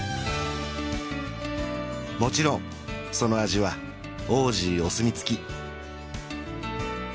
もちろんその味はオージーお墨付き